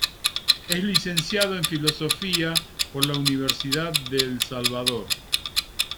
Es Licenciado en Filosofía por la Universidad de El Salvador.